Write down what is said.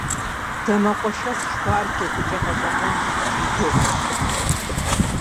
Дамэкъуэшэс жыхуаӏэр джэгукӀэ гъэщӀэгъуэнщ икӀи гугъущ.